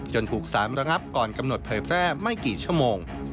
ถูกสารระงับก่อนกำหนดเผยแพร่ไม่กี่ชั่วโมง